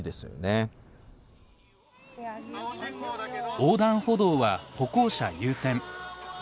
横断歩道は歩行者優先。